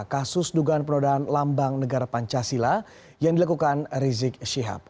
kasus dugaan penodaan lambang negara pancasila yang dilakukan rizik syihab